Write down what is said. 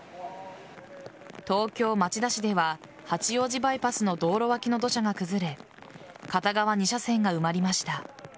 東京・町田市では八王子バイパスの道路脇の土砂が崩れ片側２車線が埋まりました。